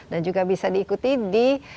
dan juga bisa diikuti di